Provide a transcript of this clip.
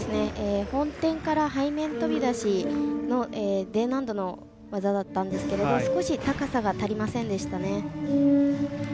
背面とびだしのＤ難度の技だったんですが少し高さが足りませんでしたね。